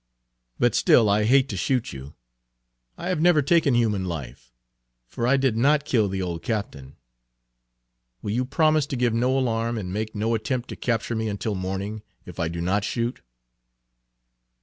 But still I hate to shoot you; I have never yet taken human life for I did notkill the old captain. Will you promise to give no alarm and make no attempt to capture me until morning, if I do not shoot?"